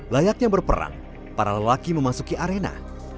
layaknya berperang para lelaki memasuki arena